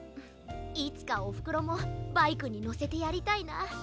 いつかおふくろもバイクにのせてやりたいな。